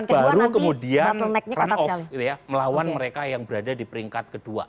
baru kemudian run off melawan mereka yang berada di peringkat kedua